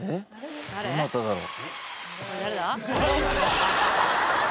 どなただろう？